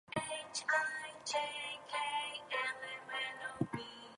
It was the first time that the squad missed a EuroBasket.